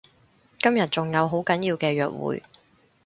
今日仲有好緊要嘅約會